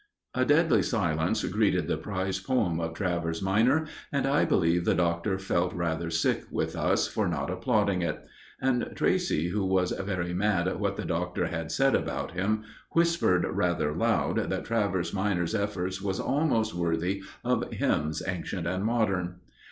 A deadly silence greeted the prize poem of Travers minor, and I believe the Doctor felt rather sick with us for not applauding it. And Tracey, who was very mad at what the Doctor had said about him, whispered rather loud that Travers minor's effort was almost worthy of Hymns Ancient and Modern.